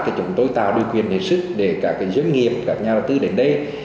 thì chúng tôi tạo được quyền luyện sức để các doanh nghiệp các nhà đầu tư đến đây